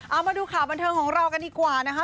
เอามาดูข่าวบันเทิงของเรากันดีกว่านะคะ